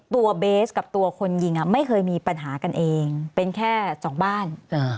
เบสกับตัวคนยิงไม่เคยมีปัญหากันเองเป็นแค่สองบ้าน